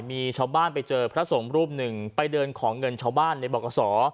มีชาวบ้านไปเจอพระสงฆ์รูปหนึ่งไปเดินของเงินชาวบ้านในบรกษอ